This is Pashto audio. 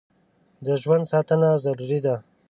د ژوند ساتنه ضروري ده.